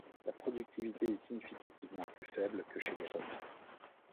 La productivité est significativement plus faible que chez les Romains.